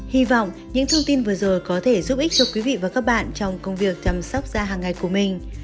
hy vọng những thông tin vừa rồi có thể giúp ích cho quý vị và các bạn trong công việc chăm sóc da hàng ngày của mình